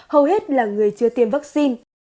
hầu hết là người chưa tiêm vaccine